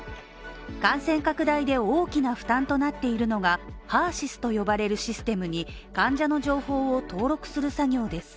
感染拡大で大きな負担となっているのがＨＥＲ−ＳＹＳと呼ばれるシステムに患者の情報を登録する作業です。